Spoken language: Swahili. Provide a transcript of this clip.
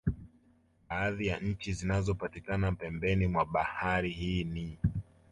Baadhi ya nchi zinazopatikana pembeni mwa bahari hii ni